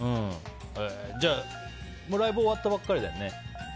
じゃあ、今はライブが終わったばっかりだよね。